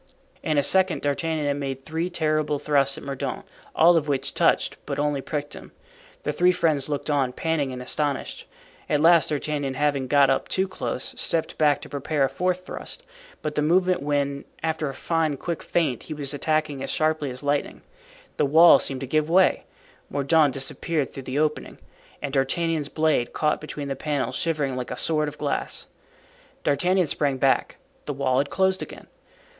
In a second D'Artagnan had made three terrible thrusts at Mordaunt, all of which touched, but only pricked him. The three friends looked on, panting and astonished. At last D'Artagnan, having got up too close, stepped back to prepare a fourth thrust, but the moment when, after a fine, quick feint, he was attacking as sharply as lightning, the wall seemed to give way, Mordaunt disappeared through the opening, and D'Artagnan's blade, caught between the panels, shivered like a sword of glass. D'Artagnan sprang back; the wall had closed again.